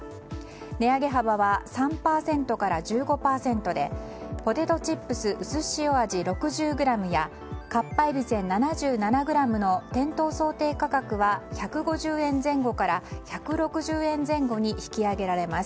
値上げ幅は３％から１５％でポテトチップスうすしお味６０ｇやかっぱえびせん７７ｇの店頭想定価格は１５０円前後から１６０円前後に引き上げられます。